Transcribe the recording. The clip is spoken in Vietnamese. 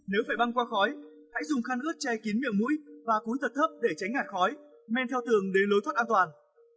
nếu phải băng qua khói hãy dùng khăn ướt che kín miệng mũi và cối thật thấp để tránh ngạt khói men theo tường đến lối thoát an toàn